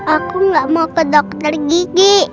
aku nggak mau ke dokter gigi